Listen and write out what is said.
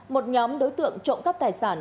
một nhóm đối tượng trộm cắp tài sản